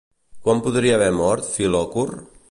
Quan podria haver mort Filòcor?